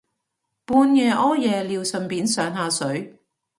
半夜屙夜尿順便上下水